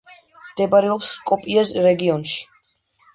მდებარეობს სკოპიეს რეგიონში.